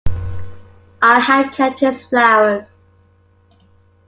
I had kept his flowers.